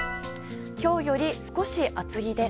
今日より少し厚着で。